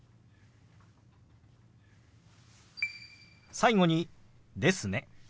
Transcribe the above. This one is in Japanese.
最後に「ですね」。